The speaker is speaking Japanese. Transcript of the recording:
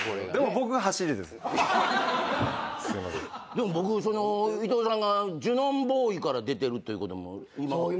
でも僕伊藤さんがジュノンボーイから出てるということも今日初めて知って。